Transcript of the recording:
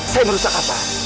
saya merusak apa